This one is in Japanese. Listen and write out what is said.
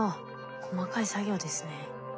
細かい作業ですね。